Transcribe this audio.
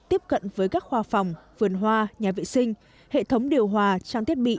tiếp cận với các khoa phòng vườn hoa nhà vệ sinh hệ thống điều hòa trang thiết bị